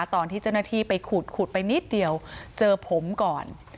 ตอนที่เจ้าหน้าที่ไปขุดไปนิดเดียวเจอผมก่อน